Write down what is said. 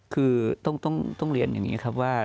คือต้องเรียนอย่างนี้ครับว่า